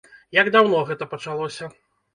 Як даўно гэта пачалося?